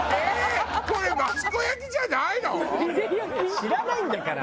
知らないんだから。